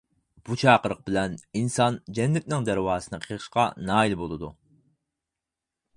بۇ چاقىرىق بىلەن ئىنسان جەننەتنىڭ دەرۋازىسىنى قېقىشقا نائىل بولىدۇ.